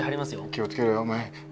気を付けろよお前。